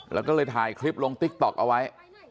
แล้วก็เลยถ่ายคลิปลงติ๊กต๊อกเอาไว้